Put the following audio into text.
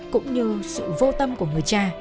cũng như sự vô tâm của người cha